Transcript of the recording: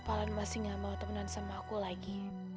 apalagi masih gak mau temenan sama aku lagi